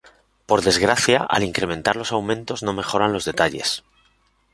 Por desgracia, al incrementar los aumentos no mejoran los detalles.